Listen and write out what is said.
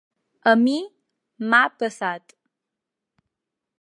A mi m’ha passat.